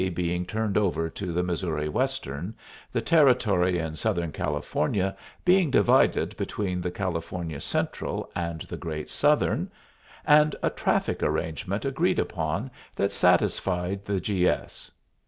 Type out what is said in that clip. being turned over to the Missouri Western, the territory in Southern California being divided between the California Central and the Great Southern, and a traffic arrangement agreed upon that satisfied the G. S.